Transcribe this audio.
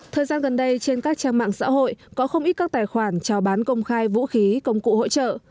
thời gian gần đây trên các trang mạng xã hội có không ít các tài khoản trao bán công khai vũ khí công cụ hỗ trợ